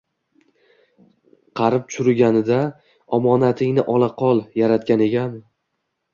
Qarib-churiganida “omonatingni ola qol, yaratgan Egam”